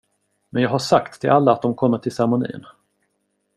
Men jag har sagt till alla att de kommer till ceremonin.